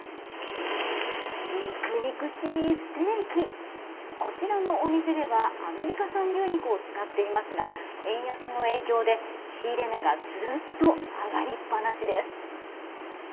にくにくしいステーキこちらのお店ではアメリカ産牛肉を使っていますが円安の影響で仕入れ値がずっと上がりっぱなしです。